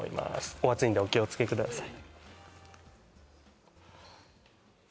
お熱いんでお気をつけください